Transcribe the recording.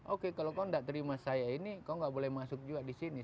oke kalau kau tidak terima saya ini kau nggak boleh masuk juga di sini